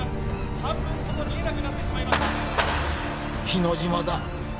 半分ほど見えなくなってしまいました日之島だ